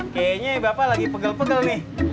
kayaknya bapak lagi pegel pegel nih